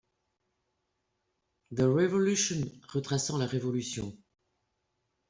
The Revolution retraçant la révolution.